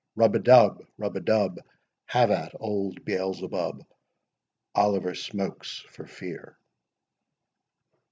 Rub a dub—rub a dub! Have at old Beelzebub— Oliver smokes for fear.